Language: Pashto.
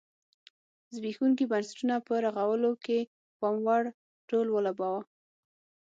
زبېښونکي بنسټونه په رغولو کې پاموړ رول ولوباوه.